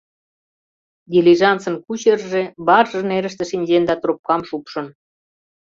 Дилижансын “кучерже” барже нерыште шинчен да трубкам шупшын.